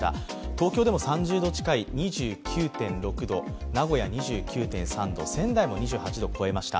東京でも３０度近い２９．６度名古屋２９．３度、仙台も２８度を超えました。